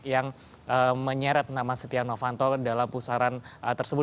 yang menyeret nama setia novanto dalam pusaran tersebut